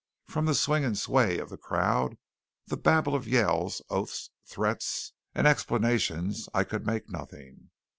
From the swing and sway of the crowd, and the babel of yells, oaths, threats, and explanations I could make nothing.